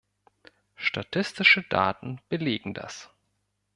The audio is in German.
Statistische Daten belegen das.